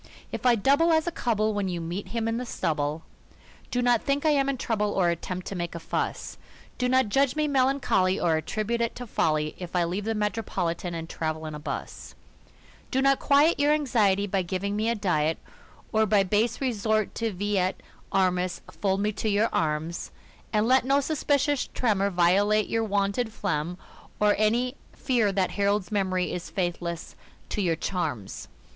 If I double as a cub'll when you meet him in the stubble, Do not think I am in trouble or at tempt to make a fuss ; Do not judge me melancholy or at tribute it to folly If I leave the Metropolitan and travel 'n a bus Do not quiet your anxiety by giving me a diet, Or by base resort to vi et armis fold me to your arms, And let no suspicious tremor violate your wonted phlegm or Any fear that Harold's memory is faithless to your charms.